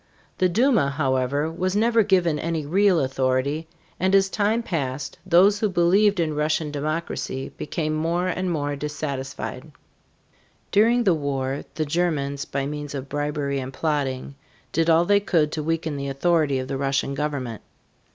The Duma, however, was never given any real authority, and as time passed those who believed in Russian democracy became more and more dissatisfied. During the war the Germans by means of bribery and plotting did all they could to weaken the authority of the Russian government.